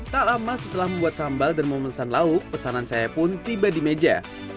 tak lama setelah membuat sambal dan memesan lauk pesanan saya pun tiba di meja